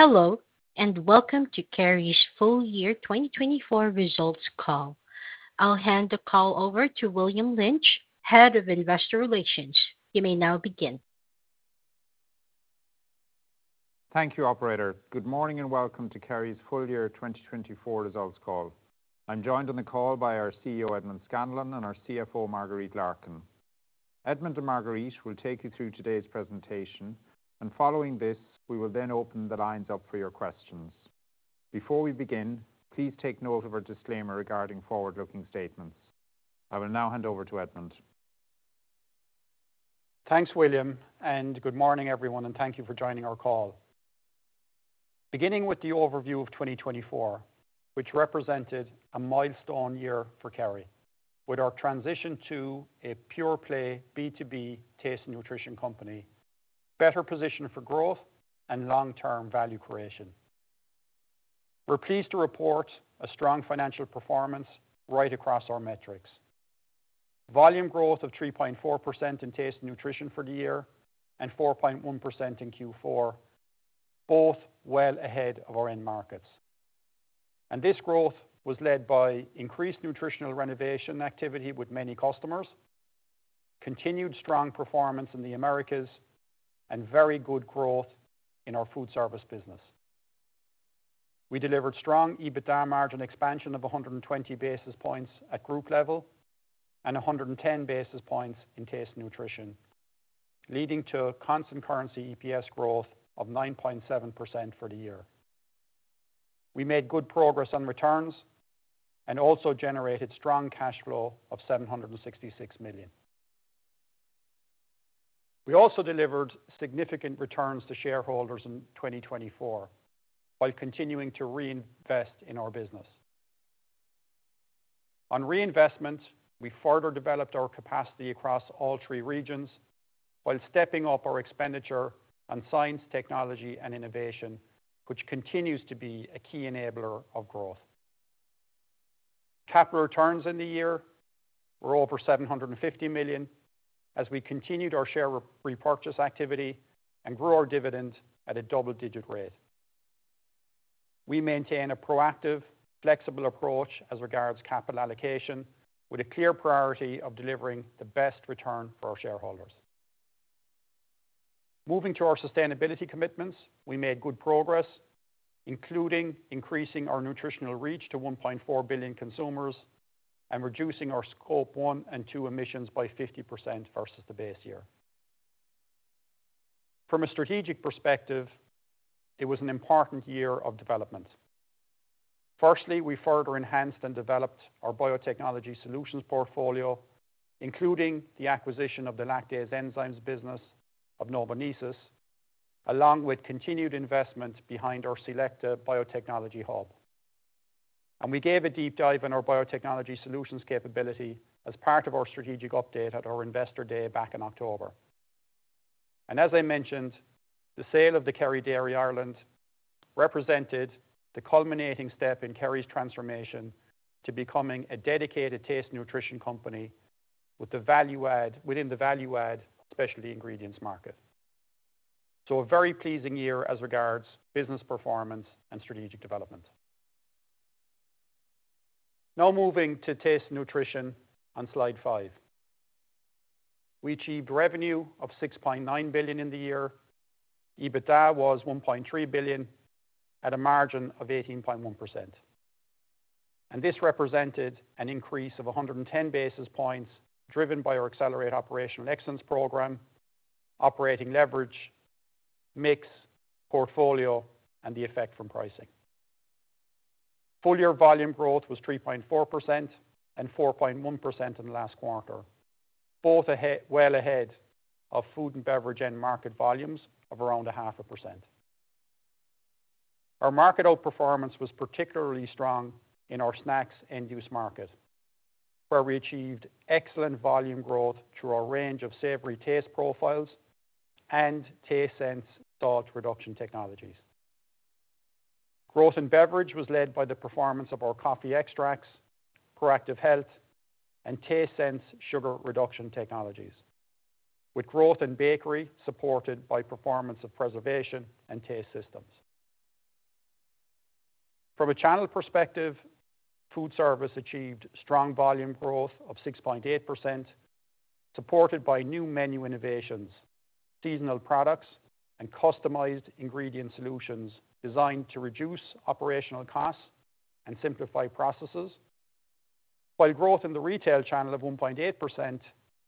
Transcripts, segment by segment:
Hello, and welcome to Kerry's full-year 2024 results call. I'll hand the call over to William Lynch, Head of Investor Relations. You may now begin. Thank you, Operator. Good morning and welcome to Kerry's Full Year 2024 Results Call. I'm joined on the call by our CEO, Edmond Scanlon, and our CFO, Marguerite Larkin. Edmond and Marguerite will take you through today's presentation, and following this, we will then open the lines up for your questions. Before we begin, please take note of our disclaimer regarding forward-looking statements. I will now hand over to Edmond. Thanks, William, and good morning, everyone, and thank you for joining our call. Beginning with the overview of 2024, which represented a milestone year for Kerry, with our transition to a pure-play B2B Taste and Nutrition company, better position for growth, and long-term value creation. We're pleased to report a strong financial performance right across our metrics: volume growth of 3.4% in Taste and Nutrition for the year and 4.1% in Q4, both well ahead of our end markets, and this growth was led by increased nutritional renovation activity with many customers, continued strong performance in the Americas, and very good growth in our food service business. We delivered strong EBITDA margin expansion of 120 basis points at group level and 110 basis points in Taste and Nutrition, leading to a constant currency EPS growth of 9.7% for the year. We made good progress on returns and also generated strong cash flow of $766 million. We also delivered significant returns to shareholders in 2024 while continuing to reinvest in our business. On reinvestment, we further developed our capacity across all three regions while stepping up our expenditure on science, technology, and innovation, which continues to be a key enabler of growth. Capital returns in the year were over $750 million as we continued our share repurchase activity and grew our dividend at a double-digit rate. We maintain a proactive, flexible approach as regards capital allocation, with a clear priority of delivering the best return for our shareholders. Moving to our sustainability commitments, we made good progress, including increasing our nutritional reach to 1.4 billion consumers and reducing our Scope 1 and 2 emissions by 50% versus the base year. From a strategic perspective, it was an important year of development. Firstly, we further enhanced and developed our biotechnology solutions portfolio, including the acquisition of the lactase enzymes business of Novonesis, along with continued investment behind our c-LEcta biotechnology hub, and we gave a deep dive in our biotechnology solutions capability as part of our strategic update at our investor day back in October, and as I mentioned, the sale of the Kerry Dairy Ireland represented the culminating step in Kerry's transformation to becoming a dedicated Taste and Nutrition company within the value-add specialty ingredients market. So, a very pleasing year as regards business performance and strategic development. Now moving to Taste and Nutrition on slide five. We achieved revenue of $6.9 billion in the year. EBITDA was $1.3 billion at a margin of 18.1%. And this represented an increase of 110 basis points driven by our accelerated operational excellence program, operating leverage, mix portfolio, and the effect from pricing. Full-year volume growth was 3.4% and 4.1% in the last quarter, both well ahead of food and beverage end market volumes of around 0.5%. Our market outperformance was particularly strong in our snacks end-use market, where we achieved excellent volume growth through our range of savory taste profiles and TasteSense salt reduction technologies. Growth in beverage was led by the performance of our coffee extracts, ProActive Health, and TasteSense sugar reduction technologies, with growth in bakery supported by performance of preservation and taste systems. From a channel perspective, food service achieved strong volume growth of 6.8%, supported by new menu innovations, seasonal products, and customized ingredient solutions designed to reduce operational costs and simplify processes, while growth in the retail channel of 1.8%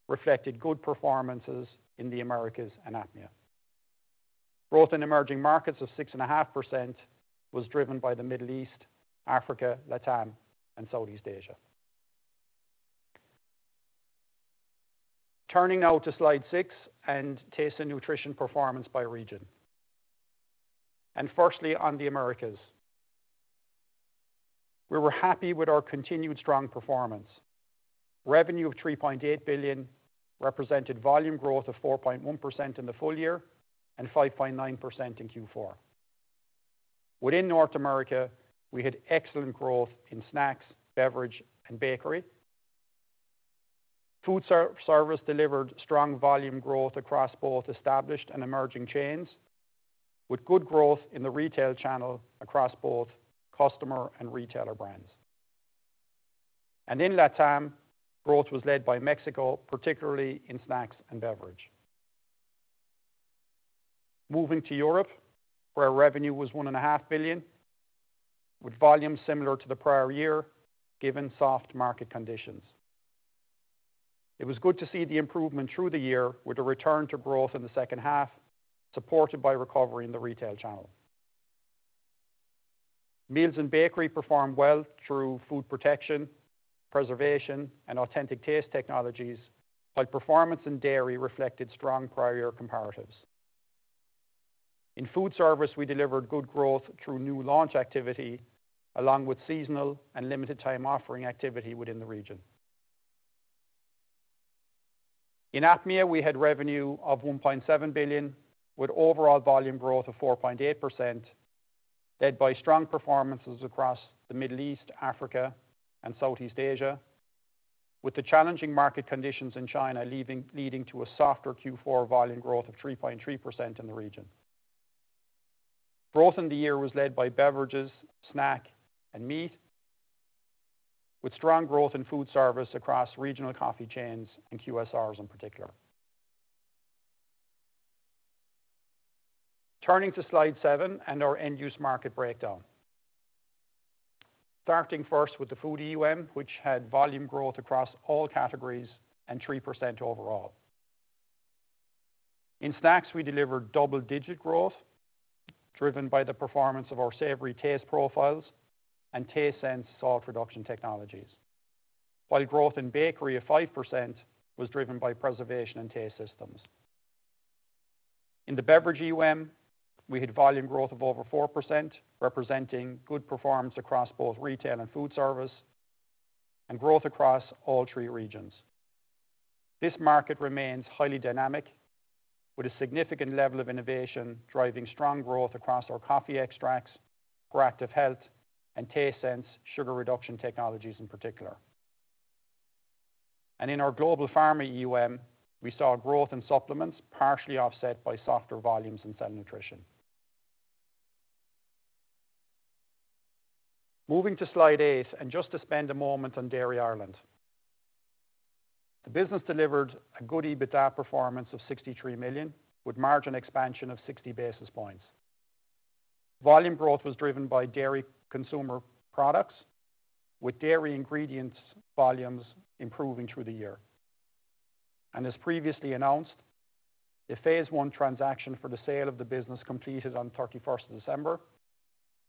reflected good performances in the Americas and APMEA. Growth in emerging markets of 6.5% was driven by the Middle East, Africa, LATAM, and Southeast Asia. Turning now to slide six and Taste and Nutrition performance by region, and firstly, on the Americas, we were happy with our continued strong performance. Revenue of $3.8 billion represented volume growth of 4.1% in the full year and 5.9% in Q4. Within North America, we had excellent growth in snacks, beverage, and bakery. Food service delivered strong volume growth across both established and emerging chains, with good growth in the retail channel across both customer and retailer brands, and in LATAM, growth was led by Mexico, particularly in snacks and beverage. Moving to Europe, where revenue was $1.5 billion, with volume similar to the prior year given soft market conditions. It was good to see the improvement through the year, with a return to growth in the second half supported by recovery in the retail channel. Meals and bakery performed well through food protection, preservation, and authentic taste technologies, while performance in dairy reflected strong prior-year comparatives. In food service, we delivered good growth through new launch activity along with seasonal and limited-time offering activity within the region. In APMEA, we had revenue of $1.7 billion, with overall volume growth of 4.8%, led by strong performances across the Middle East, Africa, and Southeast Asia, with the challenging market conditions in China leading to a softer Q4 volume growth of 3.3% in the region. Growth in the year was led by beverages, snacks, and meat, with strong growth in food service across regional coffee chains and QSRs in particular. Turning to slide seven and our end-use market breakdown. Starting first with the food EUM, which had volume growth across all categories and 3% overall. In snacks, we delivered double-digit growth driven by the performance of our savory taste profiles and TasteSense salt reduction technologies, while growth in bakery of 5% was driven by preservation and taste systems. In the beverage EUM, we had volume growth of over 4%, representing good performance across both retail and food service, and growth across all three regions. This market remains highly dynamic, with a significant level of innovation driving strong growth across our coffee extracts, ProActive Health, and TasteSense sugar reduction technologies in particular, and in our global pharma EUM, we saw growth in supplements, partially offset by softer volumes in cell nutrition. Moving to slide eight and just to spend a moment on Dairy Ireland. The business delivered a good EBITDA performance of $63 million, with margin expansion of 60 basis points. Volume growth was driven by dairy consumer products, with dairy ingredients volumes improving through the year, and as previously announced, the phase one transaction for the sale of the business completed on 31st December,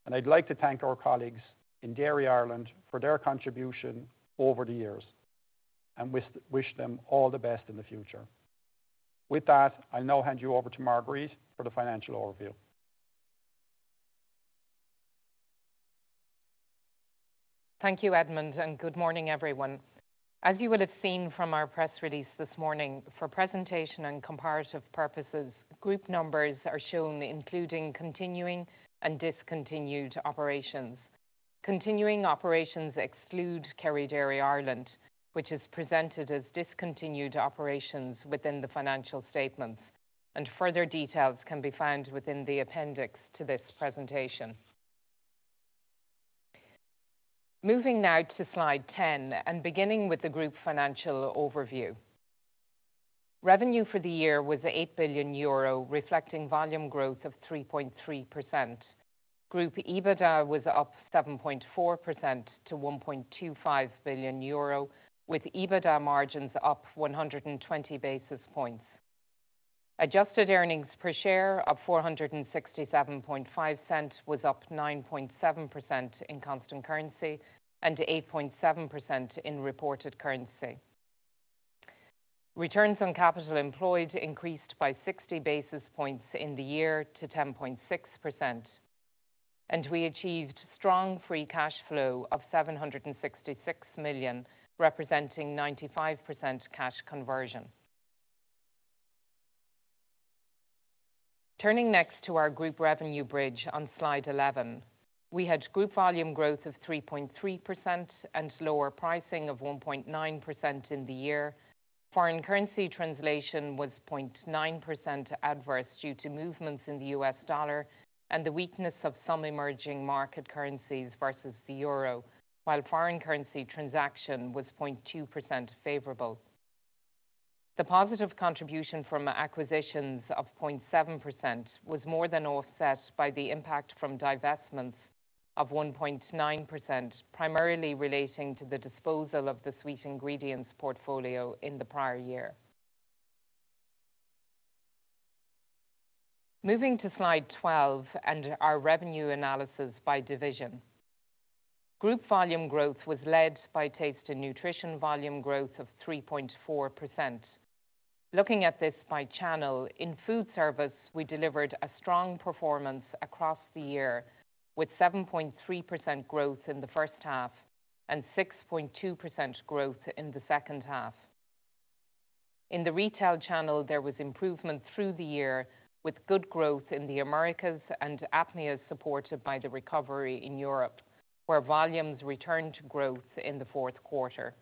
and I'd like to thank our colleagues in Dairy Ireland for their contribution over the years and wish them all the best in the future. With that, I'll now hand you over to Marguerite for the financial overview. Thank you, Edmond, and good morning, everyone. As you will have seen from our press release this morning, for presentation and comparative purposes, group numbers are shown, including continuing and discontinued operations. Continuing operations exclude Kerry Dairy Ireland, which is presented as discontinued operations within the financial statements, and further details can be found within the appendix to this presentation. Moving now to slide ten and beginning with the group financial overview. Revenue for the year was 8 billion euro, reflecting volume growth of 3.3%. Group EBITDA was up 7.4% to 1.25 billion euro, with EBITDA margins up 120 basis points. Adjusted earnings per share of $467.50 was up 9.7% in constant currency and 8.7% in reported currency. Returns on capital employed increased by 60 basis points in the year to 10.6%, and we achieved strong free cash flow of $766 million, representing 95% cash conversion. Turning next to our group revenue bridge on slide 11, we had group volume growth of 3.3% and lower pricing of 1.9% in the year. Foreign currency translation was 0.9% adverse due to movements in the U.S. dollar and the weakness of some emerging market currencies versus the euro, while foreign currency transaction was 0.2% favorable. The positive contribution from acquisitions of 0.7% was more than offset by the impact from divestments of 1.9%, primarily relating to the disposal of the sweet ingredients portfolio in the prior year. Moving to slide 12 and our revenue analysis by division. Group volume growth was led by Taste and Nutrition volume growth of 3.4%. Looking at this by channel, in food service, we delivered a strong performance across the year with 7.3% growth in the first half and 6.2% growth in the second half. In the retail channel, there was improvement through the year with good growth in the Americas and APMEA supported by the recovery in Europe, where volumes returned to growth in the fourth quarter.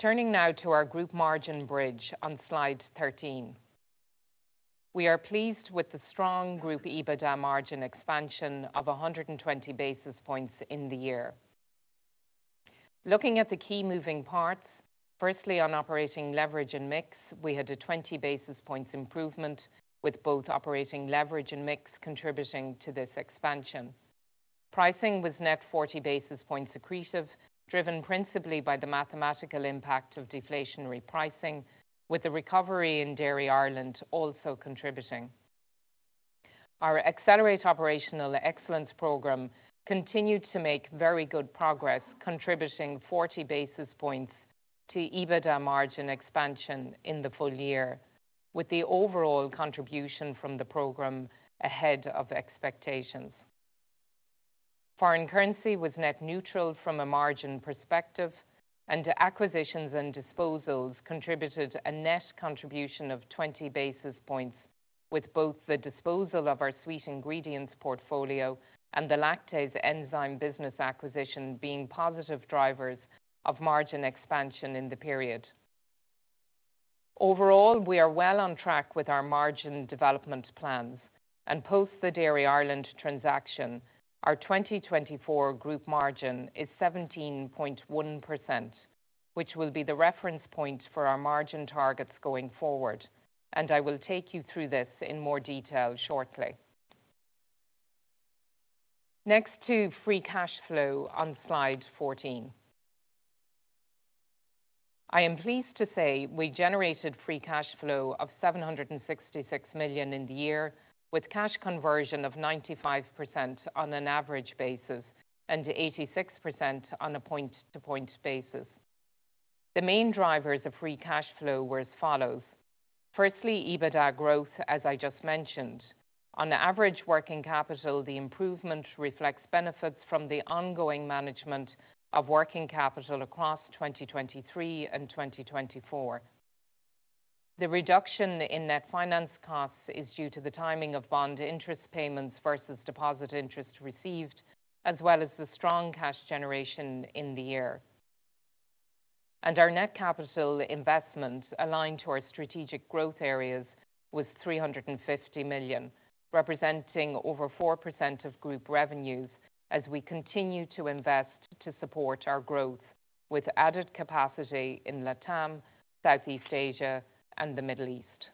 Turning now to our group margin bridge on slide 13. We are pleased with the strong group EBITDA margin expansion of 120 basis points in the year. Looking at the key moving parts, firstly, on operating leverage and mix, we had a 20 basis points improvement, with both operating leverage and mix contributing to this expansion. Pricing was net 40 basis points accretive, driven principally by the mathematical impact of deflationary pricing, with the recovery in Dairy Ireland also contributing. Our accelerated operational excellence program continued to make very good progress, contributing 40 basis points to EBITDA margin expansion in the full year, with the overall contribution from the program ahead of expectations. Foreign currency was net neutral from a margin perspective, and acquisitions and disposals contributed a net contribution of 20 basis points, with both the disposal of our sweet ingredients portfolio and the lactase enzyme business acquisition being positive drivers of margin expansion in the period. Overall, we are well on track with our margin development plans, and post the Dairy Ireland transaction, our 2024 group margin is 17.1%, which will be the reference point for our margin targets going forward, and I will take you through this in more detail shortly. Next to free cash flow on slide 14. I am pleased to say we generated free cash flow of $766 million in the year, with cash conversion of 95% on an average basis and 86% on a point-to-point basis. The main drivers of free cash flow were as follows. Firstly, EBITDA growth, as I just mentioned. On average working capital, the improvement reflects benefits from the ongoing management of working capital across 2023 and 2024. The reduction in net finance costs is due to the timing of bond interest payments versus deposit interest received, as well as the strong cash generation in the year. Our net capital investment aligned to our strategic growth areas was $350 million, representing over 4% of group revenues as we continue to invest to support our growth with added capacity in LATAM, Southeast Asia, and the Middle East.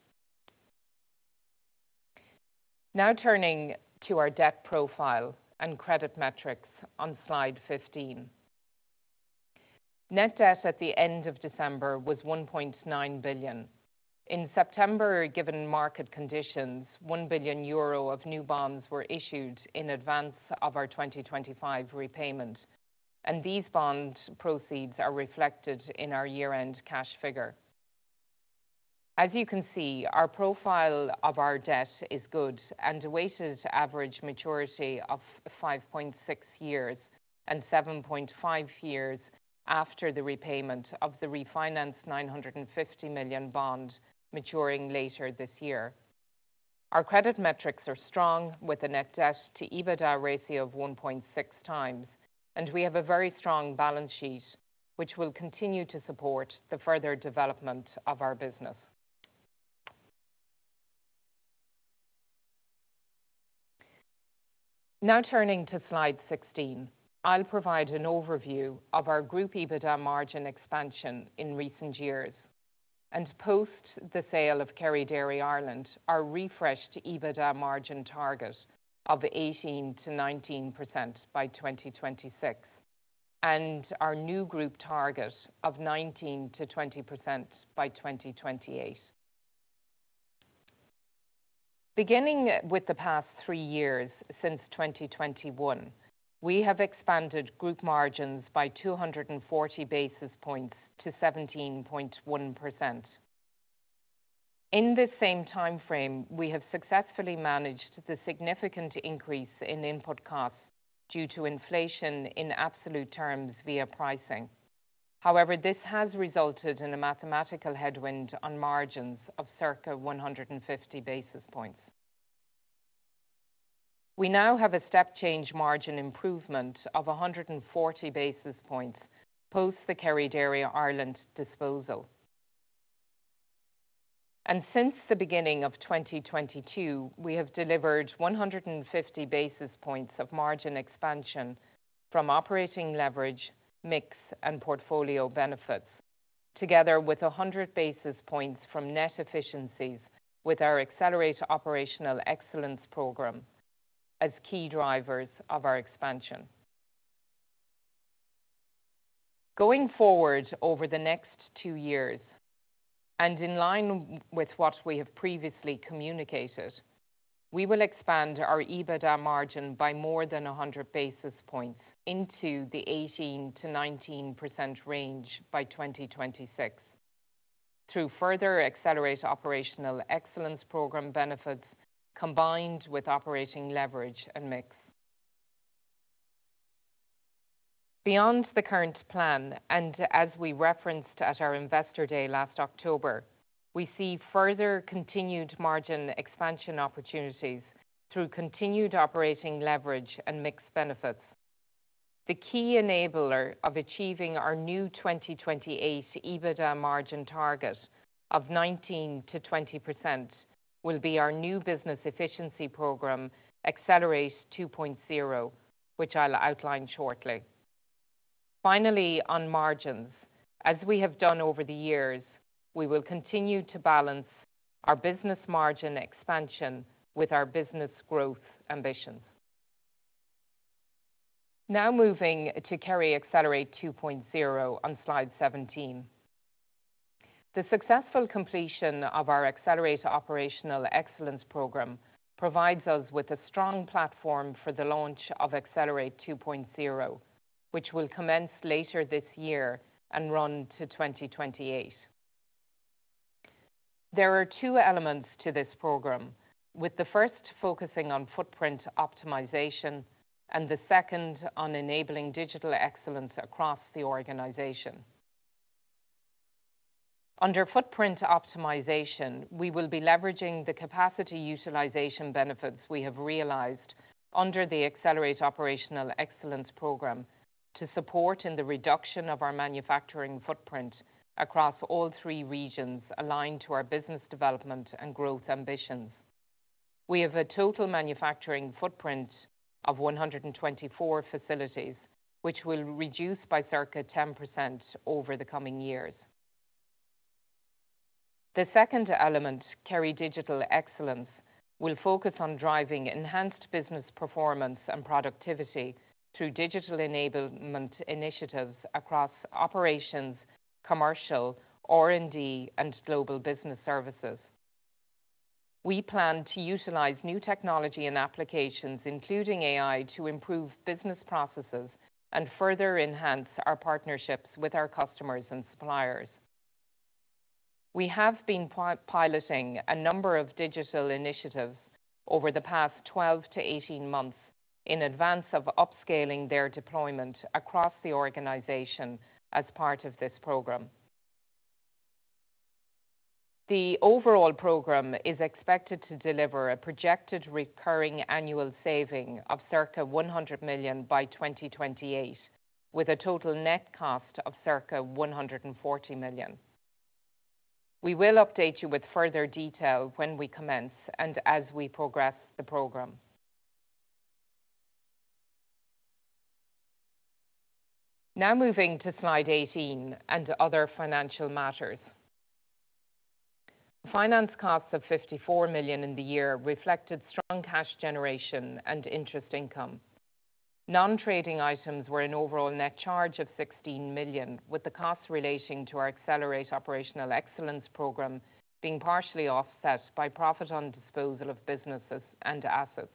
Now turning to our debt profile and credit metrics on slide 15. Net debt at the end of December was 1.9 billion. In September, given market conditions, 1 billion euro of new bonds were issued in advance of our 2025 repayment, and these bond proceeds are reflected in our year-end cash figure. As you can see, our debt profile is good and a weighted average maturity of 5.6 years and 7.5 years after the repayment of the refinanced 950 million bond maturing later this year. Our credit metrics are strong, with a net debt to EBITDA ratio of 1.6 times, and we have a very strong balance sheet, which will continue to support the further development of our business. Now turning to slide 16, I'll provide an overview of our group EBITDA margin expansion in recent years, and post the sale of Kerry Dairy Ireland, our refreshed EBITDA margin target of 18%-19% by 2026, and our new group target of 19%-20% by 2028. Beginning with the past three years since 2021, we have expanded group margins by 240 basis points to 17.1%. In this same time frame, we have successfully managed the significant increase in input costs due to inflation in absolute terms via pricing. However, this has resulted in a mathematical headwind on margins of circa 150 basis points. We now have a step-change margin improvement of 140 basis points post the Kerry Dairy Ireland disposal. And since the beginning of 2022, we have delivered 150 basis points of margin expansion from operating leverage, mix, and portfolio benefits, together with 100 basis points from net efficiencies with our accelerated operational excellence program as key drivers of our expansion. Going forward over the next two years, and in line with what we have previously communicated, we will expand our EBITDA margin by more than 100 basis points into the 18%-19% range by 2026 through further accelerated operational excellence program benefits combined with operating leverage and mix. Beyond the current plan, and as we referenced at our investor day last October, we see further continued margin expansion opportunities through continued operating leverage and mix benefits. The key enabler of achieving our new 2028 EBITDA margin target of 19%-20% will be our new business efficiency program, Accelerate 2.0, which I'll outline shortly. Finally, on margins, as we have done over the years, we will continue to balance our business margin expansion with our business growth ambitions. Now moving to Kerry Accelerate 2.0 on slide 17. The successful completion of our accelerated operational excellence program provides us with a strong platform for the launch of Accelerate 2.0, which will commence later this year and run to 2028. There are two elements to this program, with the first focusing on footprint optimization and the second on enabling digital excellence across the organization. Under footprint optimization, we will be leveraging the capacity utilization benefits we have realized under the accelerated operational excellence program to support in the reduction of our manufacturing footprint across all three regions aligned to our business development and growth ambitions. We have a total manufacturing footprint of 124 facilities, which will reduce by circa 10% over the coming years. The second element, Kerry Digital Excellence, will focus on driving enhanced business performance and productivity through digital enablement initiatives across operations, commercial, R&D, and global business services. We plan to utilize new technology and applications, including AI, to improve business processes and further enhance our partnerships with our customers and suppliers. We have been piloting a number of digital initiatives over the past 12 to 18 months in advance of upscaling their deployment across the organization as part of this program. The overall program is expected to deliver a projected recurring annual saving of circa 100 million by 2028, with a total net cost of circa 140 million. We will update you with further detail when we commence and as we progress the program. Now moving to slide 18 and other financial matters. Finance costs of 54 million in the year reflected strong cash generation and interest income. Non-trading items were an overall net charge of 16 million, with the costs relating to our accelerated operational excellence program being partially offset by profit on disposal of businesses and assets.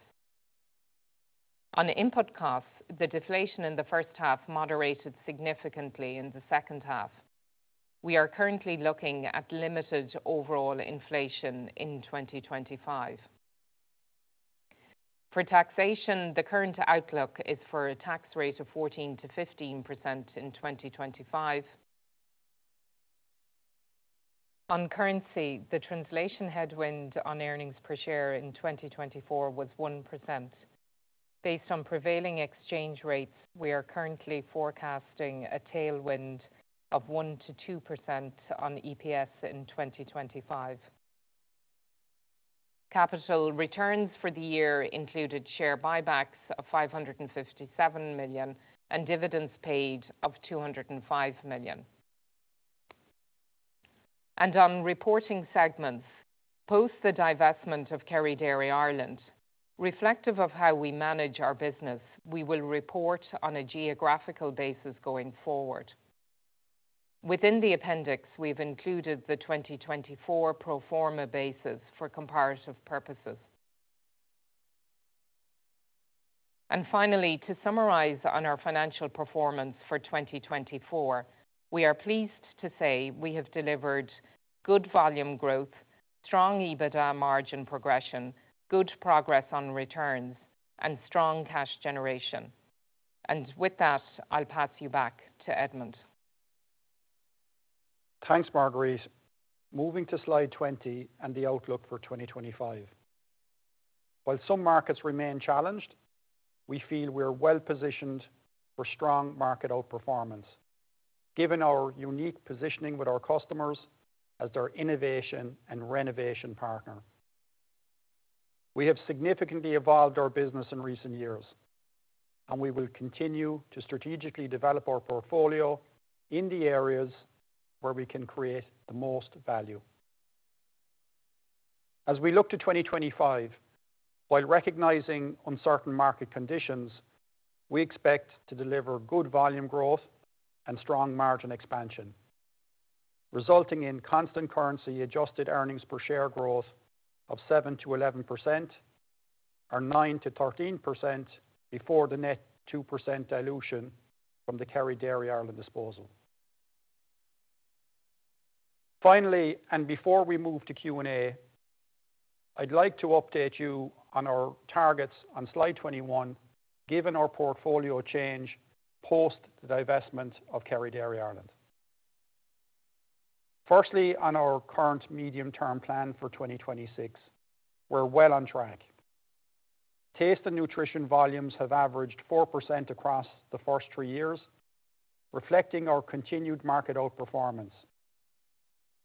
On input costs, the deflation in the first half moderated significantly in the second half. We are currently looking at limited overall inflation in 2025. For taxation, the current outlook is for a tax rate of 14%-15% in 2025. On currency, the translation headwind on earnings per share in 2024 was 1%. Based on prevailing exchange rates, we are currently forecasting a tailwind of 1%-2% on EPS in 2025. Capital returns for the year included share buybacks of 557 million and dividends paid of 205 million. On reporting segments, post the divestment of Kerry Dairy Ireland, reflective of how we manage our business, we will report on a geographical basis going forward. Within the appendix, we've included the 2024 pro forma basis for comparative purposes. Finally, to summarize on our financial performance for 2024, we are pleased to say we have delivered good volume growth, strong EBITDA margin progression, good progress on returns, and strong cash generation. With that, I'll pass you back to Edmond. Thanks, Marguerite. Moving to slide 20 and the outlook for 2025. While some markets remain challenged, we feel we are well positioned for strong market outperformance, given our unique positioning with our customers as their innovation and renovation partner. We have significantly evolved our business in recent years, and we will continue to strategically develop our portfolio in the areas where we can create the most value. As we look to 2025, while recognizing uncertain market conditions, we expect to deliver good volume growth and strong margin expansion, resulting in constant currency-adjusted earnings per share growth of 7%-11% or 9%-13% before the net 2% dilution from the Kerry Dairy Ireland disposal. Finally, and before we move to Q&A, I'd like to update you on our targets on slide 21, given our portfolio change post the divestment of Kerry Dairy Ireland. Firstly, on our current medium-term plan for 2026, we're well on track. Taste and nutrition volumes have averaged 4% across the first three years, reflecting our continued market outperformance,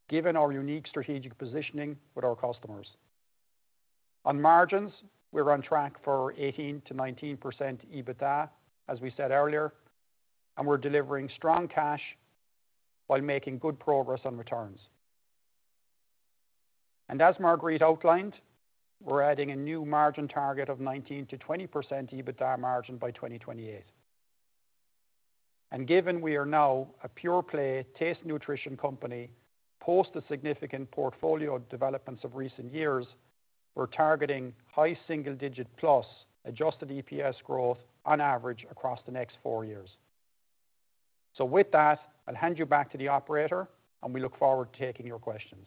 given our unique strategic positioning with our customers. On margins, we're on track for 18%-19% EBITDA, as we said earlier, and we're delivering strong cash while making good progress on returns, and as Marguerite Larkin outlined, we're adding a new margin target of 19%-20% EBITDA margin by 2028. And given we are now a pure-play taste nutrition company post the significant portfolio developments of recent years, we're targeting high single-digit plus adjusted EPS growth on average across the next four years, so with that, I'll hand you back to the operator, and we look forward to taking your questions.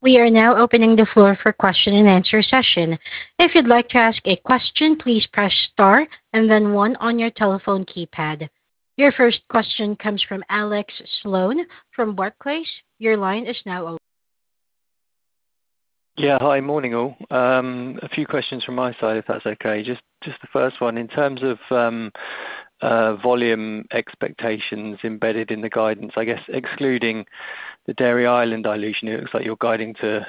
We are now opening the floor for question and answer session. If you'd like to ask a question, please press star and then one on your telephone keypad. Your first question comes from Alex Sloane from Barclays. Your line is now open. Yeah, hi, morning all. A few questions from my side, if that's okay. Just the first one, in terms of volume expectations embedded in the guidance, I guess excluding the Dairy Ireland dilution, it looks like you're guiding to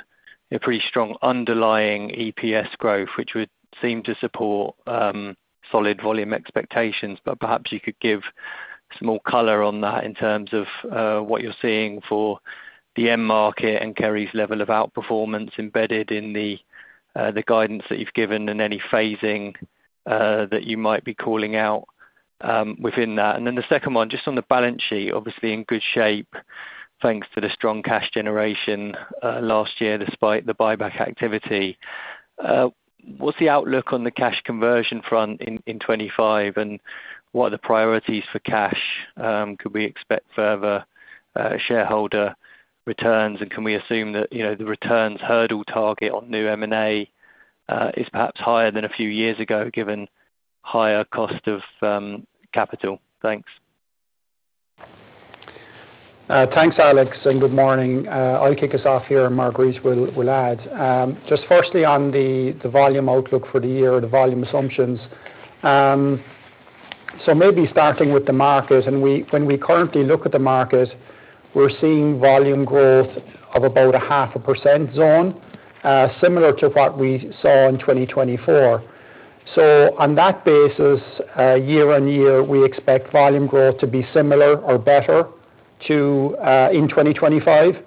a pretty strong underlying EPS growth, which would seem to support solid volume expectations. But perhaps you could give some more color on that in terms of what you're seeing for the end market and Kerry's level of outperformance embedded in the guidance that you've given and any phasing that you might be calling out within that. And then the second one, just on the balance sheet, obviously in good shape, thanks to the strong cash generation last year despite the buyback activity. What's the outlook on the cash conversion front in 2025, and what are the priorities for cash? Could we expect further shareholder returns, and can we assume that the returns hurdle target on new M&A is perhaps higher than a few years ago given higher cost of capital? Thanks. Thanks, Alex, and good morning. I'll kick us off here, and Marguerite will add. Just firstly, on the volume outlook for the year, the volume assumptions. So maybe starting with the market, and when we currently look at the market, we're seeing volume growth of about 0.5% zone, similar to what we saw in 2024. So on that basis, year on year, we expect volume growth to be similar or better in 2025.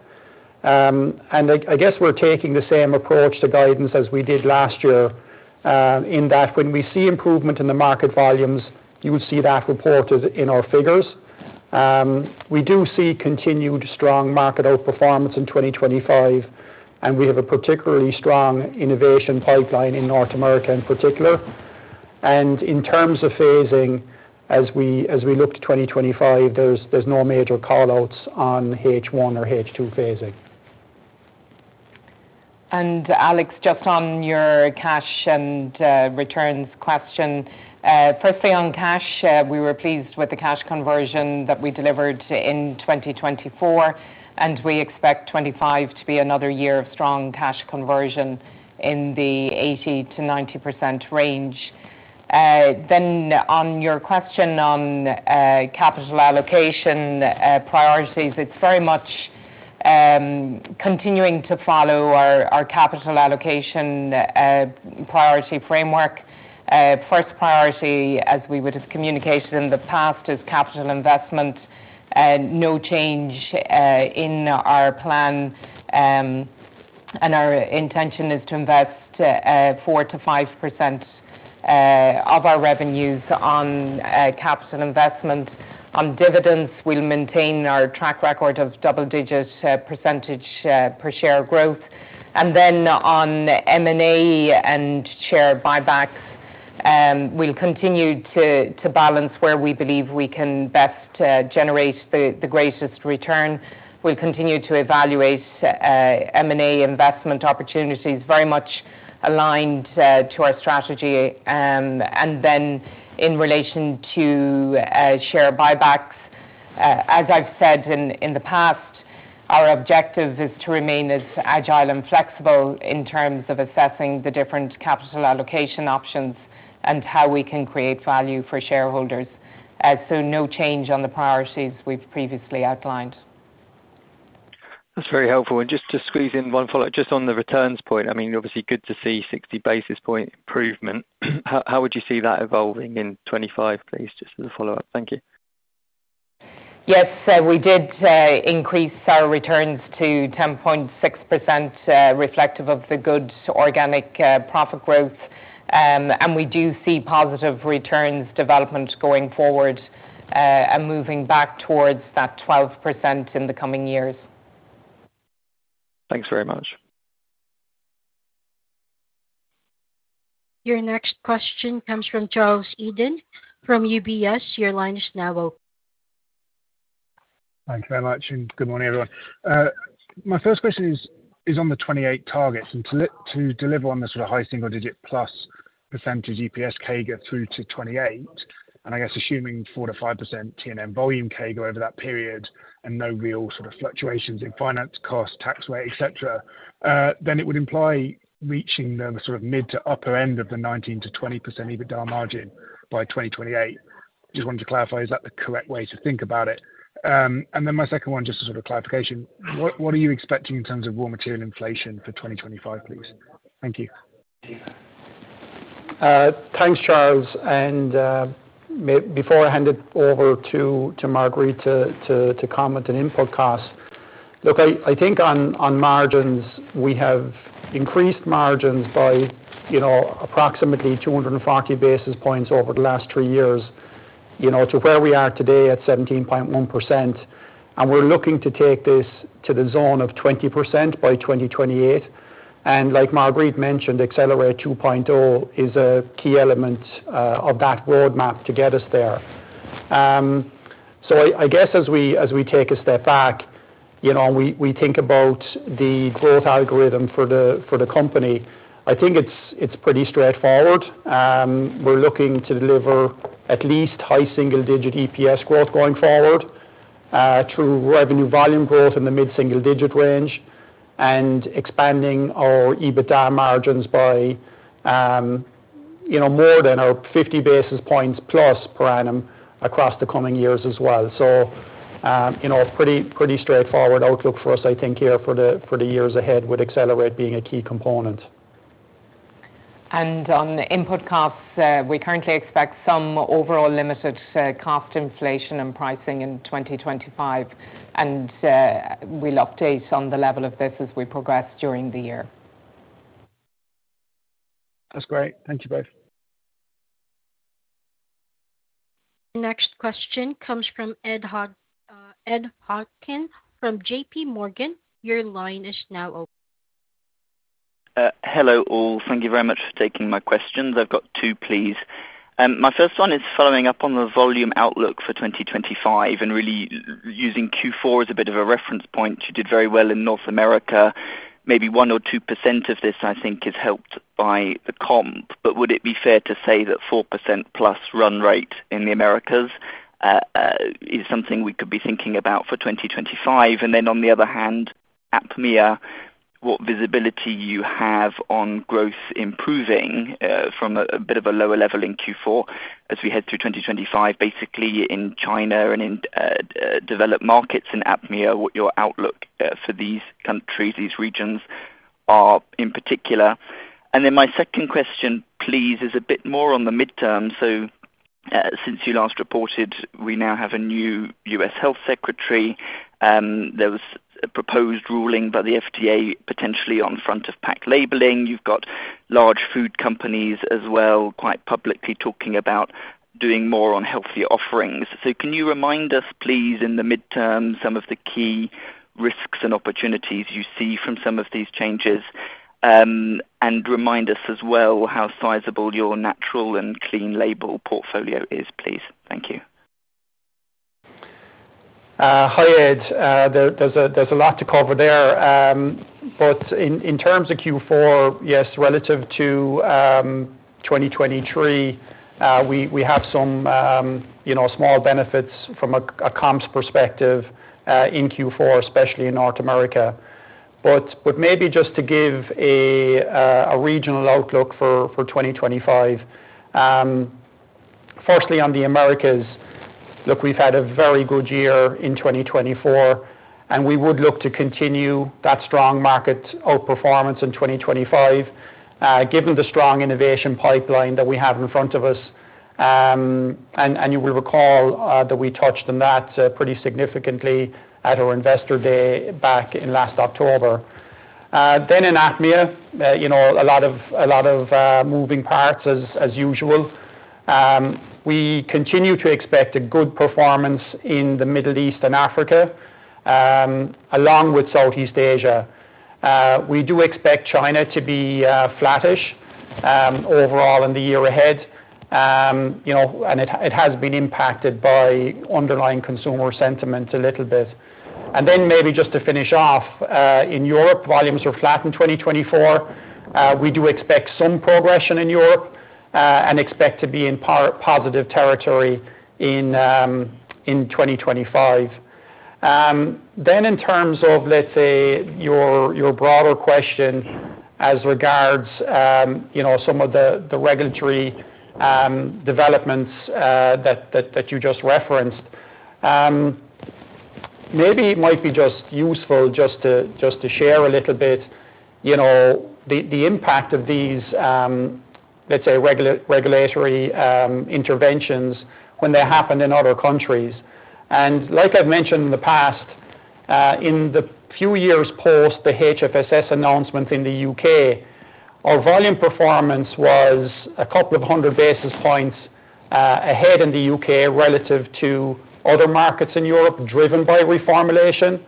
And I guess we're taking the same approach to guidance as we did last year in that when we see improvement in the market volumes, you will see that reported in our figures. We do see continued strong market outperformance in 2025, and we have a particularly strong innovation pipeline in North America in particular. And in terms of phasing, as we look to 2025, there's no major callouts on H1 or H2 phasing. And Alex, just on your cash and returns question, firstly, on cash, we were pleased with the cash conversion that we delivered in 2024, and we expect 2025 to be another year of strong cash conversion in the 80%-90% range. Then on your question on capital allocation priorities, it's very much continuing to follow our capital allocation priority framework. First priority, as we would have communicated in the past, is capital investment. No change in our plan, and our intention is to invest 4%-5% of our revenues on capital investment. On dividends, we'll maintain our track record of double-digit percentage per share growth. And then on M&A and share buybacks, we'll continue to balance where we believe we can best generate the greatest return. We'll continue to evaluate M&A investment opportunities very much aligned to our strategy. And then in relation to share buybacks, as I've said in the past, our objective is to remain as agile and flexible in terms of assessing the different capital allocation options and how we can create value for shareholders. So no change on the priorities we've previously outlined. That's very helpful. And just to squeeze in one follow-up, just on the returns point, I mean, obviously good to see 60 basis points improvement. How would you see that evolving in 2025, please, just as a follow-up? Thank you. Yes, we did increase our returns to 10.6% reflective of the good organic profit growth, and we do see positive returns development going forward and moving back towards that 12% in the coming years. Thanks very much. Your next question comes from Charles Eden from UBS. Your line is now open. Thank you very much, and good morning, everyone. My first question is on the 2028 targets. To deliver on the sort of high single-digit plus % EPS CAGR through to 2028, and I guess assuming 4%-5% T&M volume CAGR over that period and no real sort of fluctuations in finance, cost, tax rate, etc., then it would imply reaching the sort of mid to upper end of the 19%-20% EBITDA margin by 2028. Just wanted to clarify, is that the correct way to think about it? My second one, just as a sort of clarification, what are you expecting in terms of raw material inflation for 2025, please? Thank you. Thanks, Charles. And before I hand it over to Marguerite to comment on input costs, look, I think on margins, we have increased margins by approximately 240 basis points over the last three years to where we are today at 17.1%. And we're looking to take this to the zone of 20% by 2028. And like Marguerite mentioned, Accelerate 2.0 is a key element of that roadmap to get us there. So I guess as we take a step back, we think about the growth algorithm for the company. I think it's pretty straightforward. We're looking to deliver at least high single-digit EPS growth going forward through revenue volume growth in the mid-single-digit range and expanding our EBITDA margins by more than 50 basis points plus per annum across the coming years as well. So a pretty straightforward outlook for us, I think, here for the years ahead with Accelerate being a key component. On input costs, we currently expect some overall limited cost inflation and pricing in 2025. We'll update on the level of this as we progress during the year. That's great. Thank you both. Next question comes from Ed Hockin from J.P. Morgan. Your line is now open. Hello all. Thank you very much for taking my questions. I've got two, please. My first one is following up on the volume outlook for 2025 and really using Q4 as a bit of a reference point. You did very well in North America. Maybe 1% or 2% of this, I think, is helped by the comp. But would it be fair to say that 4% plus run rate in the Americas is something we could be thinking about for 2025? And then on the other hand, APMEA, what visibility do you have on growth improving from a bit of a lower level in Q4 as we head through 2025? Basically, in China and in developed markets in APMEA, what's your outlook for these countries, these regions, in particular? And then my second question, please, is a bit more on the midterm. So since you last reported, we now have a new U.S. Health Secretary. There was a proposed ruling by the FDA potentially on front-of-pack labeling. You've got large food companies as well quite publicly talking about doing more on healthy offerings. So can you remind us, please, in the midterm, some of the key risks and opportunities you see from some of these changes? And remind us as well how sizable your natural and clean label portfolio is, please. Thank you. Hi, Ed. There's a lot to cover there. But in terms of Q4, yes, relative to 2023, we have some small benefits from a comps perspective in Q4, especially in North America. But maybe just to give a regional outlook for 2025, firstly, on the Americas, look, we've had a very good year in 2024, and we would look to continue that strong market outperformance in 2025 given the strong innovation pipeline that we have in front of us. And you will recall that we touched on that pretty significantly at our investor day back in last October. Then in APMEA, a lot of moving parts as usual. We continue to expect a good performance in the Middle East and Africa along with Southeast Asia. We do expect China to be flattish overall in the year ahead, and it has been impacted by underlying consumer sentiment a little bit. Maybe just to finish off, in Europe, volumes are flat in 2024. We do expect some progression in Europe and expect to be in positive territory in 2025. In terms of, let's say, your broader question as regards some of the regulatory developments that you just referenced, maybe it might be just useful just to share a little bit the impact of these, let's say, regulatory interventions when they happen in other countries. Like I've mentioned in the past, in the few years post the HFSS announcement in the U.K., our volume performance was a couple of hundred basis points ahead in the U.K. relative to other markets in Europe driven by reformulation.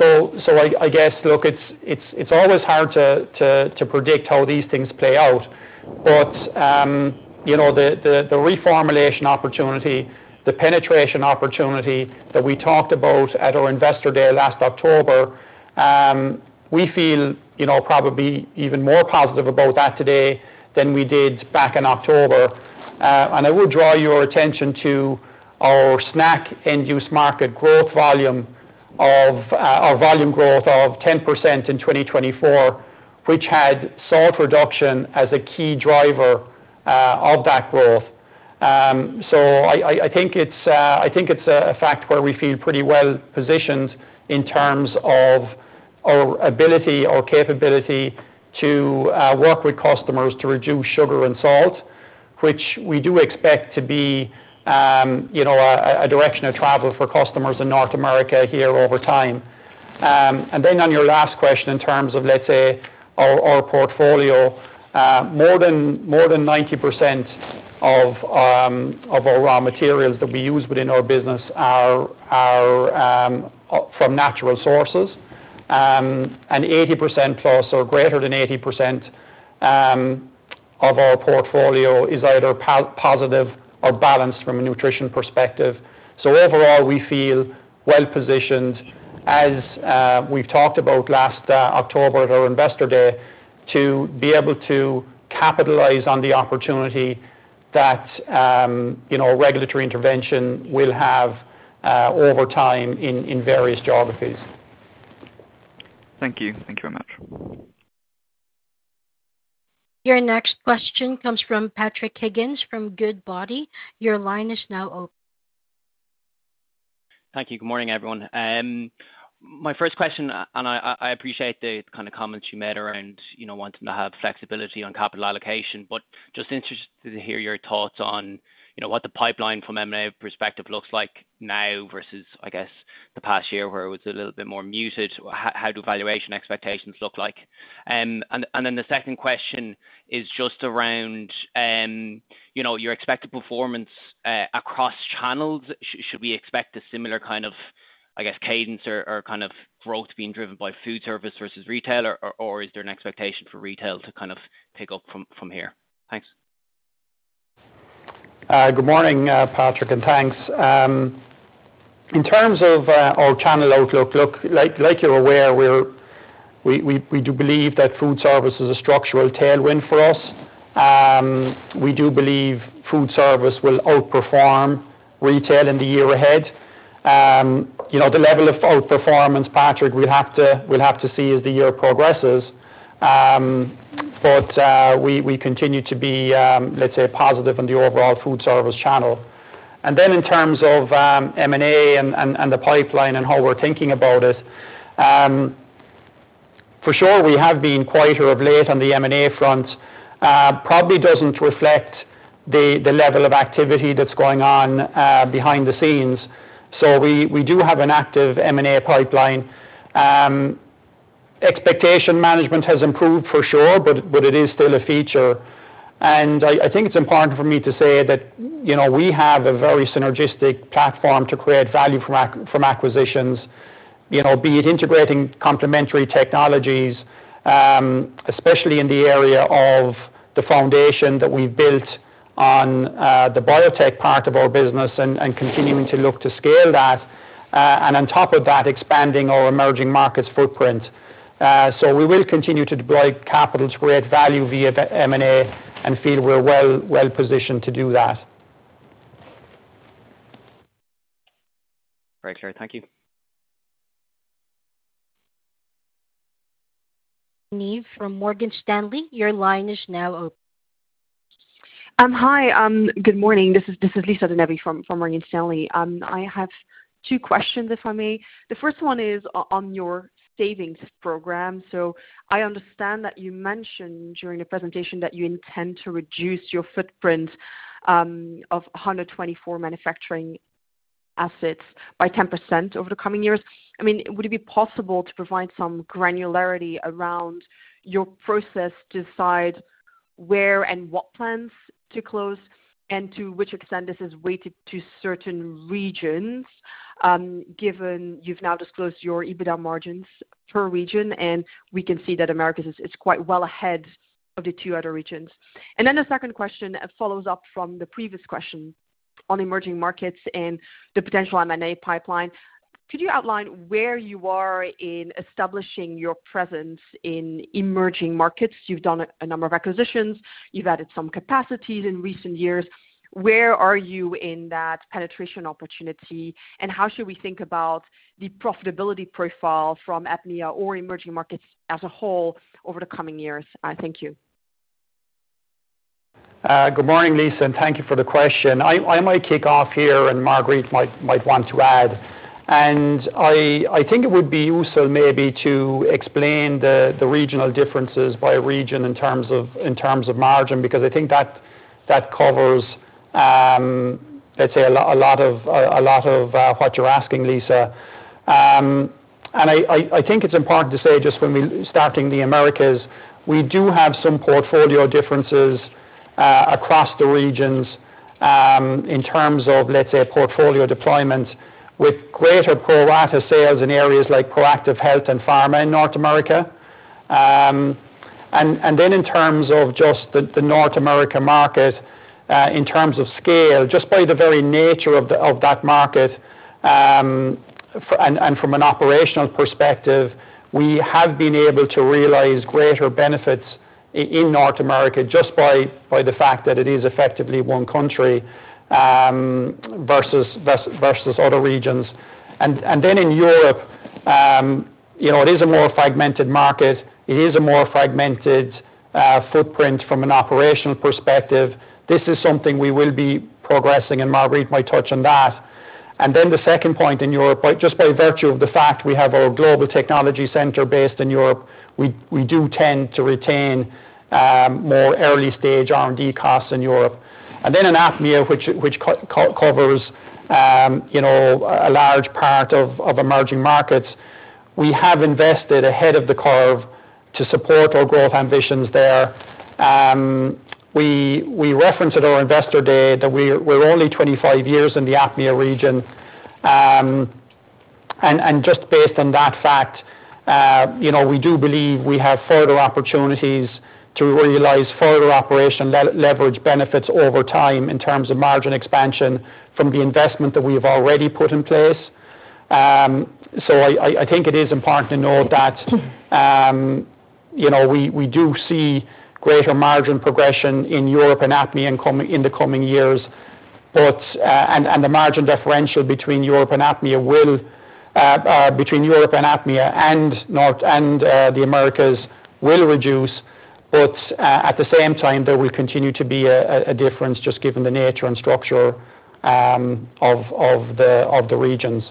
I guess, look, it's always hard to predict how these things play out. But the reformulation opportunity, the penetration opportunity that we talked about at our investor day last October, we feel probably even more positive about that today than we did back in October. And I will draw your attention to our snacks end-use market growth volume of our volume growth of 10% in 2024, which had salt reduction as a key driver of that growth. So I think it's a fact where we feel pretty well positioned in terms of our ability, our capability to work with customers to reduce sugar and salt, which we do expect to be a direction of travel for customers in North America here over time. And then, on your last question in terms of, let's say, our portfolio, more than 90% of our raw materials that we use within our business are from natural sources, and 80% plus or greater than 80% of our portfolio is either positive or balanced from a nutrition perspective. So overall, we feel well positioned, as we've talked about last October at our investor day, to be able to capitalize on the opportunity that regulatory intervention will have over time in various geographies. Thank you. Thank you very much. Your next question comes from Patrick Higgins from Goodbody. Your line is now open. Thank you. Good morning, everyone. My first question, and I appreciate the kind of comments you made around wanting to have flexibility on capital allocation, but just interested to hear your thoughts on what the pipeline from M&A perspective looks like now versus, I guess, the past year where it was a little bit more muted. How do valuation expectations look like? And then the second question is just around your expected performance across channels. Should we expect a similar kind of, I guess, cadence or kind of growth being driven by food service versus retail, or is there an expectation for retail to kind of pick up from here? Thanks. Good morning, Patrick, and thanks. In terms of our channel outlook, look, like you're aware, we do believe that food service is a structural tailwind for us. We do believe food service will outperform retail in the year ahead. The level of outperformance, Patrick, we'll have to see as the year progresses. But we continue to be, let's say, positive on the overall food service channel. And then in terms of M&A and the pipeline and how we're thinking about it, for sure, we have been quite early on the M&A front. Probably doesn't reflect the level of activity that's going on behind the scenes. So we do have an active M&A pipeline. Expectation management has improved for sure, but it is still a feature. I think it's important for me to say that we have a very synergistic platform to create value from acquisitions, be it integrating complementary technologies, especially in the area of the foundation that we've built on the biotech part of our business and continuing to look to scale that. On top of that, expanding our emerging markets footprint. We will continue to deploy capital to create value via M&A and feel we're well positioned to do that. Great, Kerry. Thank you. Lisa De Neve from Morgan Stanley, your line is now open. Hi, good morning. This is Lisa De Neve from Morgan Stanley. I have two questions, if I may. The first one is on your savings program. So I understand that you mentioned during the presentation that you intend to reduce your footprint of 124 manufacturing assets by 10% over the coming years. I mean, would it be possible to provide some granularity around your process to decide where and what plants to close and to which extent this is weighted to certain regions, given you've now disclosed your EBITDA margins per region, and we can see that Americas is quite well ahead of the two other regions? And then the second question follows up from the previous question on emerging markets and the potential M&A pipeline. Could you outline where you are in establishing your presence in emerging markets? You've done a number of acquisitions. You've added some capacities in recent years. Where are you in that penetration opportunity? And how should we think about the profitability profile from APMEA or emerging markets as a whole over the coming years? Thank you. Good morning, Lisa, and thank you for the question. I might kick off here, and Marguerite might want to add. I think it would be useful maybe to explain the regional differences by region in terms of margin because I think that covers, let's say, a lot of what you're asking, Lisa. I think it's important to say just when we're starting the Americas, we do have some portfolio differences across the regions in terms of, let's say, portfolio deployment with greater pro-rata sales in areas like ProActive Health and pharma in North America. In terms of just the North America market, in terms of scale, just by the very nature of that market and from an operational perspective, we have been able to realize greater benefits in North America just by the fact that it is effectively one country versus other regions. And then in Europe, it is a more fragmented market. It is a more fragmented footprint from an operational perspective. This is something we will be progressing, and Marguerite might touch on that. And then the second point in Europe, just by virtue of the fact we have our global technology center based in Europe, we do tend to retain more early-stage R&D costs in Europe. And then in APMEA, which covers a large part of emerging markets, we have invested ahead of the curve to support our growth ambitions there. We referenced at our investor day that we're only 25 years in the APMEA region. And just based on that fact, we do believe we have further opportunities to realize further operational leverage benefits over time in terms of margin expansion from the investment that we have already put in place. I think it is important to note that we do see greater margin progression in Europe and APMEA in the coming years. The margin differential between Europe and APMEA will, between Europe and APMEA and the Americas, will reduce. At the same time, there will continue to be a difference just given the nature and structure of the regions.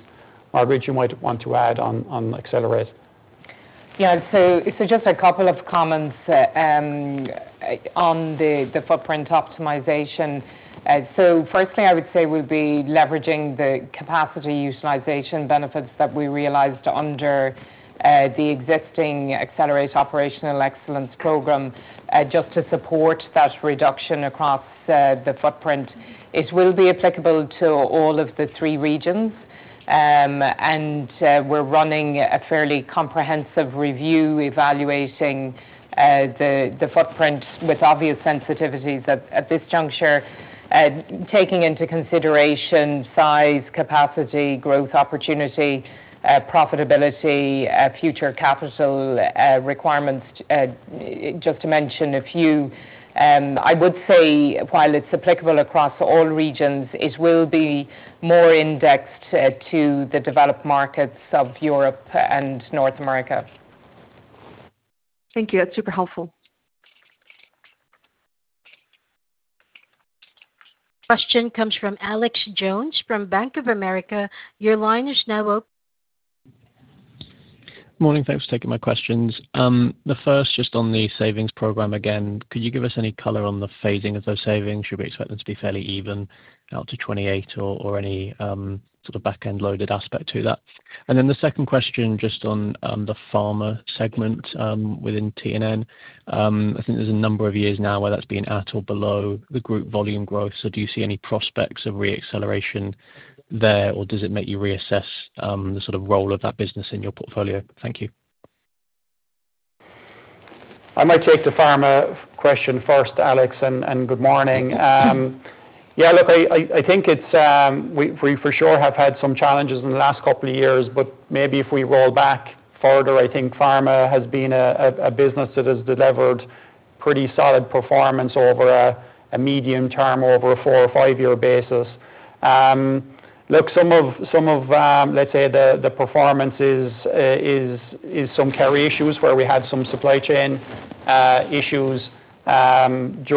Marguerite, you might want to add on Accelerate. Yeah. So just a couple of comments on the footprint optimization. So firstly, I would say we'll be leveraging the capacity utilization benefits that we realized under the existing Accelerate Operational Excellence Program just to support that reduction across the footprint. It will be applicable to all of the three regions. And we're running a fairly comprehensive review evaluating the footprint with obvious sensitivities at this juncture, taking into consideration size, capacity, growth opportunity, profitability, future capital requirements, just to mention a few. I would say, while it's applicable across all regions, it will be more indexed to the developed markets of Europe and North America. Thank you. That's super helpful. Question comes from Alex Jones from Bank of America. Your line is now open. Good morning. Thanks for taking my questions. The first, just on the savings program again, could you give us any color on the phasing of those savings? Should we expect them to be fairly even out to 2028 or any sort of back-end loaded aspect to that? And then the second question just on the pharma segment within T&N. I think there's a number of years now where that's been at or below the group volume growth. So do you see any prospects of re-acceler ation there, or does it make you reassess the sort of role of that business in your portfolio? Thank you. I might take the pharma question first, Alex, and good morning. Yeah, look, I think we for sure have had some challenges in the last couple of years, but maybe if we roll back further, I think pharma has been a business that has delivered pretty solid performance over a medium term, over a four or five-year basis. Look, some of, let's say, the performance is some carry issues where we had some supply chain issues, let's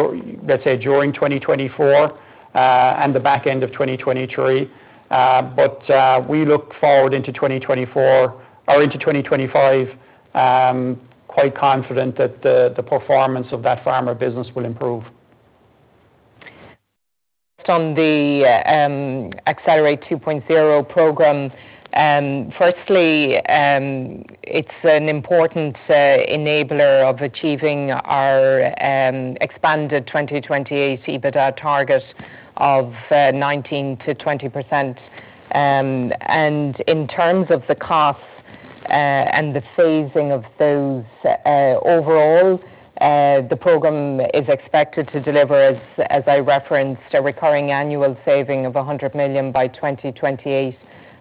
say, during 2024 and the back end of 2023. But we look forward into 2024 or into 2025, quite confident that the performance of that pharma business will improve. On the Accelerate 2.0 program, firstly, it is an important enabler of achieving our expanded 2028 EBITDA target of 19%-20%. In terms of the costs and the phasing of those overall, the program is expected to deliver, as I referenced, a recurring annual saving of 100 million by 2028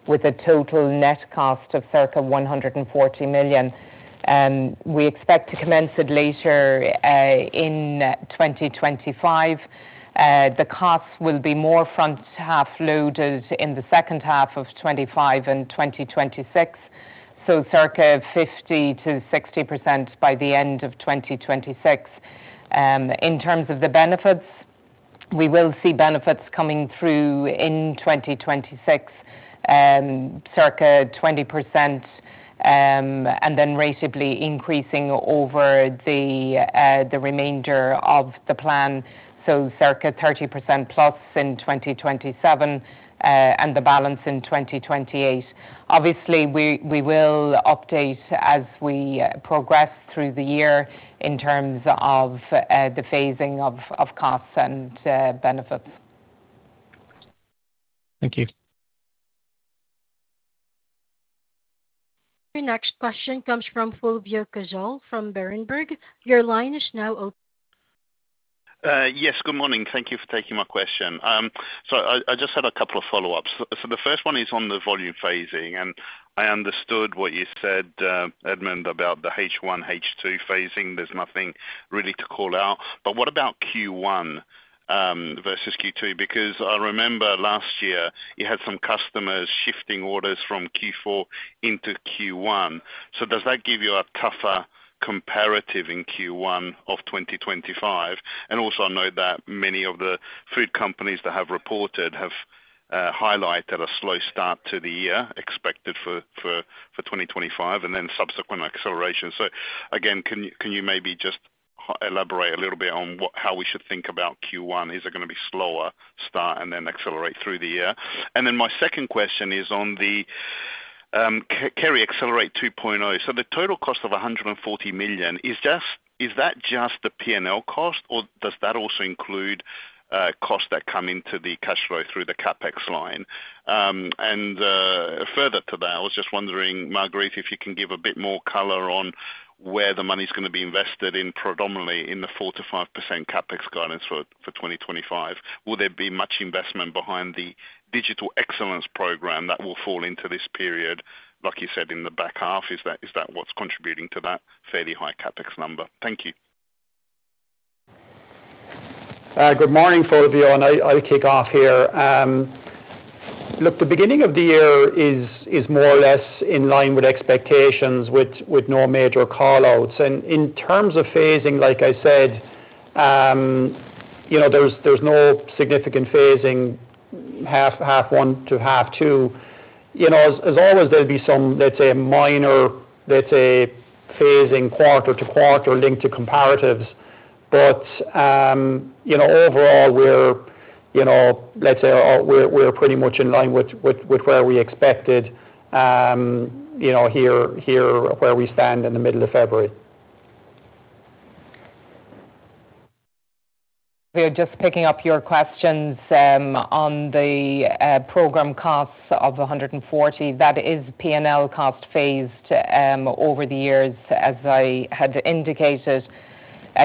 with a total net cost of circa 140 million. We expect to commence it later in 2025. The costs will be more front half loaded in the second half of 2025 and 2026, so circa 50%-60% by the end of 2026. In terms of the benefits, we will see benefits coming through in 2026, circa 20%, and then ratably increasing over the remainder of the plan, so circa 30% plus in 2027 and the balance in 2028. Obviously, we will update as we progress through the year in terms of the phasing of costs and benefits. Thank you. Your next question comes from Fulvio Cazzol from Berenberg. Your line is now open. Yes, good morning. Thank you for taking my question. So I just had a couple of follow-ups. So the first one is on the volume phasing. And I understood what you said, Edmond, about the H1, H2 phasing. There's nothing really to call out. But what about Q1 versus Q2? Because I remember last year you had some customers shifting orders from Q4 into Q1. So does that give you a tougher comparative in Q1 of 2025? And also, I know that many of the food companies that have reported have highlighted a slow start to the year expected for 2025 and then subsequent acceleration. So again, can you maybe just elaborate a little bit on how we should think about Q1? Is it going to be a slower start and then accelerate through the year? And then my second question is on the Kerry Accelerate 2.0. The total cost of 140 million, is that just the P&L cost, or does that also include costs that come into the cash flow through the CapEx line? And further to that, I was just wondering, Marguerite, if you can give a bit more color on where the money's going to be invested in predominantly in the 4%-5% CapEx guidance for 2025. Will there be much investment behind the digital excellence program that will fall into this period, like you said, in the back half? Is that what's contributing to that fairly high CapEx number? Thank you. Good morning, Fulvio. And I'll kick off here. Look, the beginning of the year is more or less in line with expectations with no major callouts. And in terms of phasing, like I said, there's no significant phasing half one to half two. As always, there'll be some, let's say, minor, let's say, phasing quarter to quarter linked to comparatives. But overall, let's say, we're pretty much in line with where we expected here where we stand in the middle of February. We are just picking up your questions on the program costs of 140. That is P&L cost phased over the years, as I had indicated.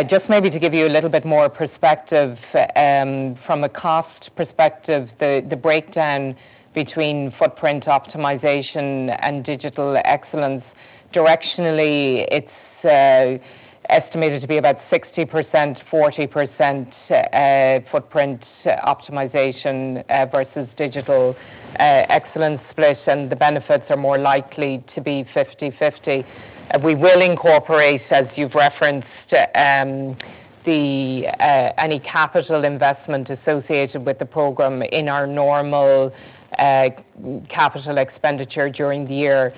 Just maybe to give you a little bit more perspective from a cost perspective, the breakdown between footprint optimization and digital excellence, directionally, it's estimated to be about 60%, 40% footprint optimization versus digital excellence split. And the benefits are more likely to be 50/50. We will incorporate, as you've referenced, any capital investment associated with the program in our normal capital expenditure during the year,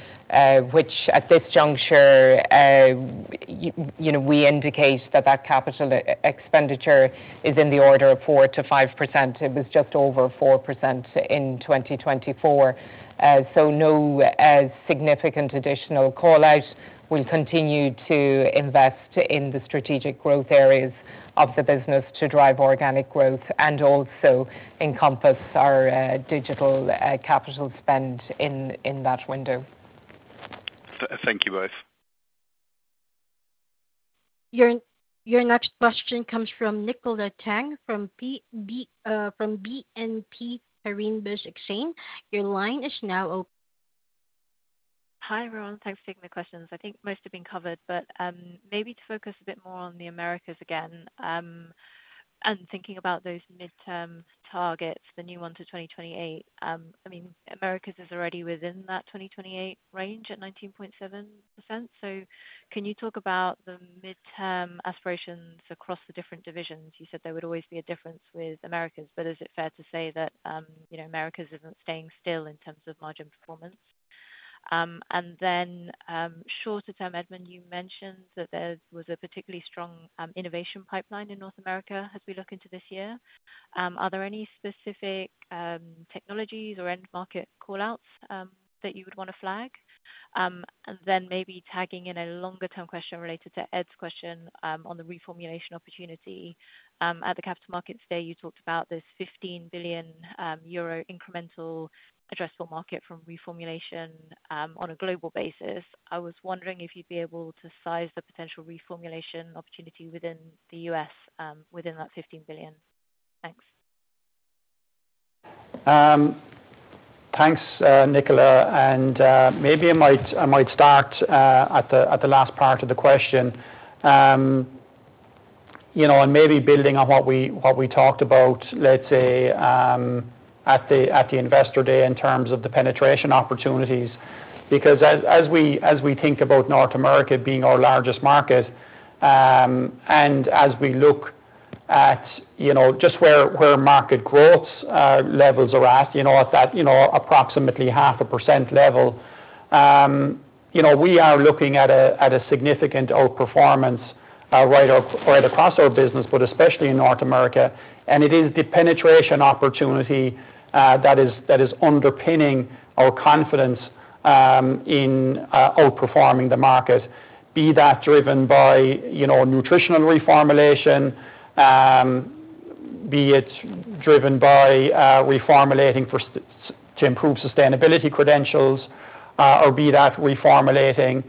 which at this juncture, we indicate that that capital expenditure is in the order of 4%-5%. It was just over 4% in 2024. So no significant additional callout. We'll continue to invest in the strategic growth areas of the business to drive organic growth and also encompass our digital capital spend in that window. Thank you both. Your next question comes from Nicola Tang from BNP Paribas Exane. Your line is now open. Hi everyone. Thanks for taking my questions. I think most have been covered, but maybe to focus a bit more on the Americas again and thinking about those midterm targets, the new one to 2028. I mean, Americas is already within that 2028 range at 19.7%. So can you talk about the midterm aspirations across the different divisions? You said there would always be a difference with Americas, but is it fair to say that Americas isn't staying still in terms of margin performance? And then shorter term, Edmond, you mentioned that there was a particularly strong innovation pipeline in North America as we look into this year. Are there any specific technologies or end market callouts that you would want to flag? And then maybe tagging in a longer-term question related to Ed's question on the reformulation opportunity. At the capital markets day, you talked about this 15 billion euro incremental addressable market from reformulation on a global basis. I was wondering if you'd be able to size the potential reformulation opportunity within the U.S. within that 15 billion. Thanks. Thanks, Nicola, and maybe I might start at the last part of the question and maybe building on what we talked about, let's say, at the investor day in terms of the penetration opportunities. Because as we think about North America being our largest market and as we look at just where market growth levels are at, at that approximately 0.5% level, we are looking at a significant outperformance right across our business, but especially in North America. It is the penetration opportunity that is underpinning our confidence in outperforming the market, be that driven by nutritional reformulation, be it driven by reformulating to improve sustainability credentials, or be that reformulating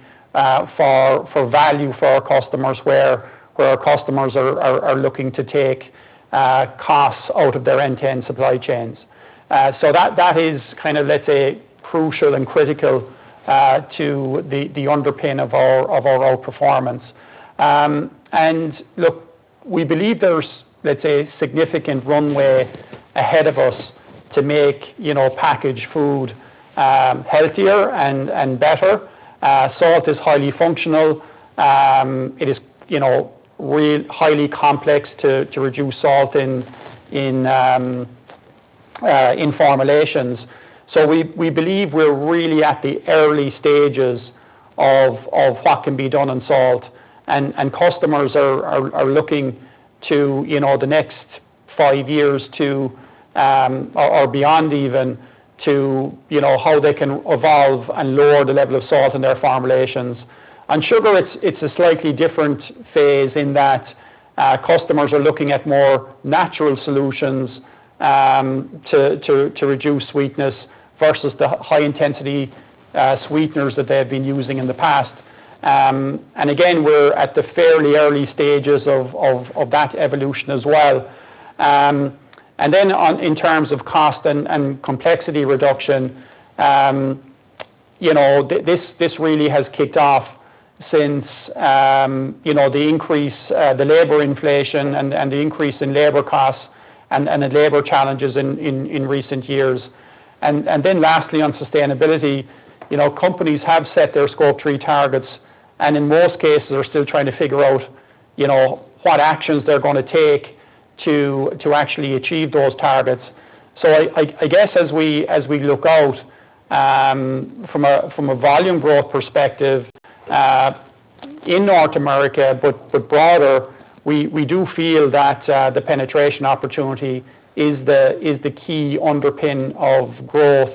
for value for our customers where our customers are looking to take costs out of their end-to-end supply chains. That is kind of, let's say, crucial and critical to the underpin of our outperformance. Look, we believe there's, let's say, a significant runway ahead of us to make packaged food healthier and better. Salt is highly functional. It is highly complex to reduce salt in formulations. So we believe we're really at the early stages of what can be done in salt. And customers are looking to the next five years or beyond even to how they can evolve and lower the level of salt in their formulations. And sugar, it's a slightly different phase in that customers are looking at more natural solutions to reduce sweetness versus the high-intensity sweeteners that they have been using in the past. And again, we're at the fairly early stages of that evolution as well. Then, in terms of cost and complexity reduction, this really has kicked off since the increase, the labor inflation, and the increase in labor costs and the labor challenges in recent years. And then lastly, on sustainability, companies have set their Scope 3 targets and in most cases are still trying to figure out what actions they're going to take to actually achieve those targets. So, I guess as we look out from a volume growth perspective in North America, but broader, we do feel that the penetration opportunity is the key underpin of growth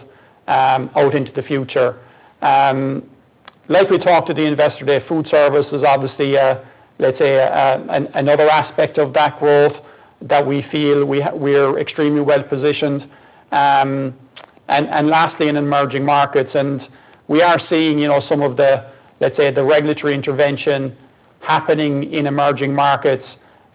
out into the future. Like we talked to the investor day, food service is obviously, let's say, another aspect of that growth that we feel we're extremely well positioned. And lastly, in emerging markets, and we are seeing some of the, let's say, the regulatory intervention happening in emerging markets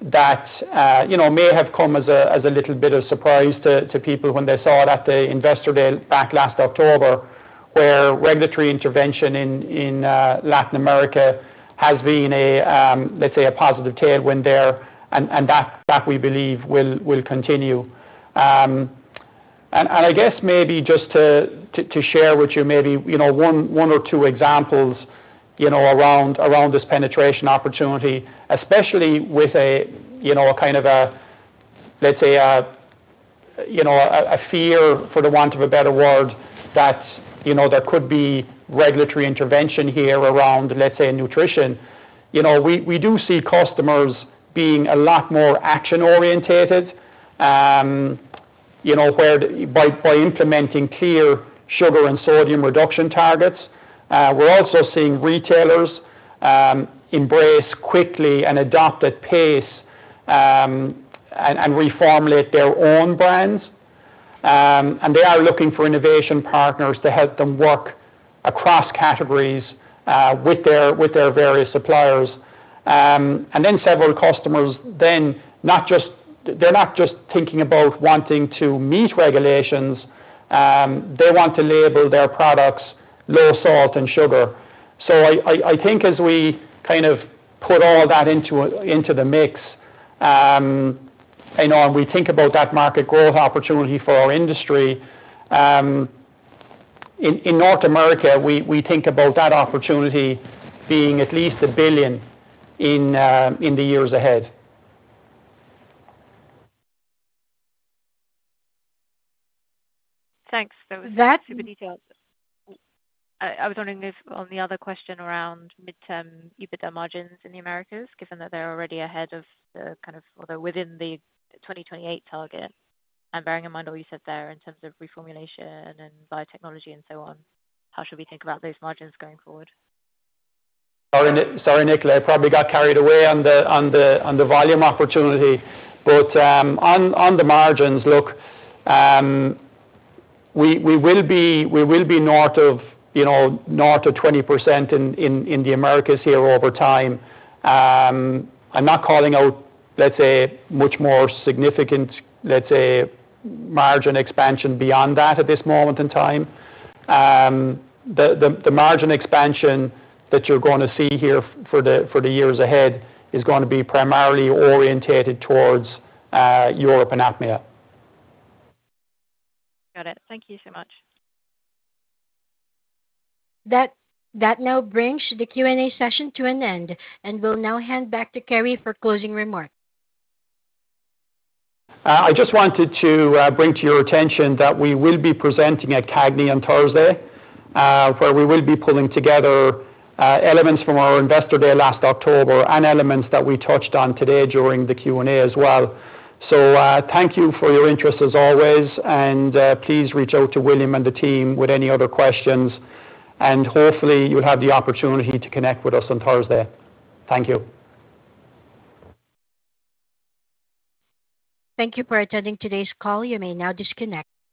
that may have come as a little bit of surprise to people when they saw that the investor day back last October where regulatory intervention in Latin America has been, let's say, a positive tailwind there. And that we believe will continue. And I guess maybe just to share with you maybe one or two examples around this penetration opportunity, especially with a kind of a, let's say, a fear, for the want of a better word, that there could be regulatory intervention here around, let's say, nutrition. We do see customers being a lot more action-oriented by implementing clear sugar and sodium reduction targets. We're also seeing retailers embrace quickly and adopt at pace and reformulate their own brands. They are looking for innovation partners to help them work across categories with their various suppliers. Several customers, they're not just thinking about wanting to meet regulations. They want to label their products low salt and sugar. I think as we kind of put all that into the mix and we think about that market growth opportunity for our industry, in North America, we think about that opportunity being at least a billion in the years ahead. Thanks. That was super detailed. I was wondering if on the other question around midterm EBITDA margins in the Americas, given that they're already ahead of the kind of or they're within the 2028 target, and bearing in mind all you said there in terms of reformulation and biotechnology and so on, how should we think about those margins going forward? Sorry, Nicola. I probably got carried away on the volume opportunity. But on the margins, look, we will be north of 20% in the Americas here over time. I'm not calling out, let's say, much more significant, let's say, margin expansion beyond that at this moment in time. The margin expansion that you're going to see here for the years ahead is going to be primarily oriented towards Europe and APMEA. Got it. Thank you so much. That now brings the Q&A session to an end, and we'll now hand back to Kerry for closing remarks. I just wanted to bring to your attention that we will be presenting at CAGNY on Thursday, where we will be pulling together elements from our investor day last October and elements that we touched on today during the Q&A as well. So thank you for your interest as always. And please reach out to William and the team with any other questions. And hopefully, you'll have the opportunity to connect with us on Thursday. Thank you. Thank you for attending today's call. You may now disconnect.